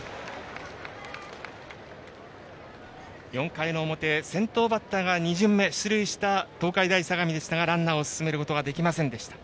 ４回の表、先頭バッターが２巡目、出塁した東海大相模でしたがランナーを進めることができませんでした。